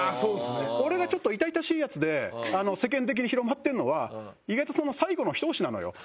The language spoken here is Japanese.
俺がちょっと痛々しいヤツで世間的に広まってるのは意外とその最後の一押しなのよ。